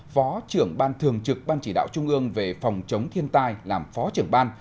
phó trưởng ban thường trực ban chỉ đạo trung ương về phòng chống thiên tai làm phó trưởng ban